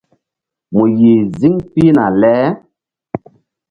Mu yih ziŋ pihna le.